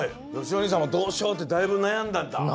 よしお兄さんもどうしようってだいぶなやんだんだ？